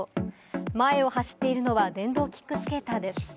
前を走っているのは電動キックスターターです。